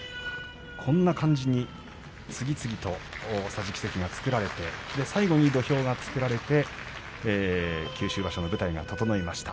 こんな感じに次々に桟敷席が作られて最後に土俵が作られて九州場所の舞台が整いました。